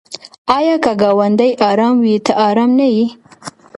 آیا که ګاونډی ارام وي ته ارام نه یې؟